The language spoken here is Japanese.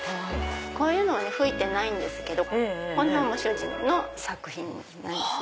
こういうのは吹いてないんですけどこういうのも主人の作品です。